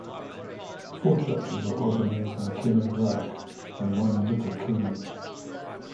Four churches were organised on Cayman Brac and one on Little Cayman.